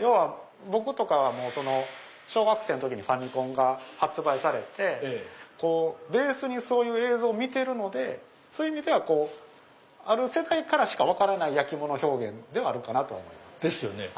要は僕とかは小学生の時にファミコンが発売されてベースにそういう映像を見てるのでそういう意味ではある世代からしか分からない焼き物表現ではあるかなとは思います。